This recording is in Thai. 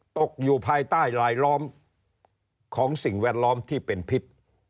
ตกอยู่ภายใต้ลายล้อมของสิ่งแวดล้อมที่เป็นพิษ